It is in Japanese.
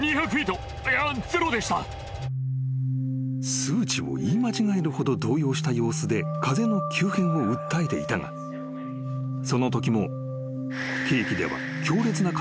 ［数値を言い間違えるほど動揺した様子で風の急変を訴えていたがそのときも］